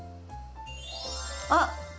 あっ！